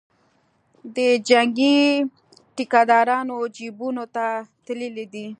د جنګي ټیکدارانو جیبونو ته تللې ده.